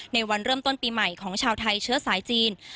ในวันเริ่มต้นปีใหม่ของชาวไทยเชื้อสายจีน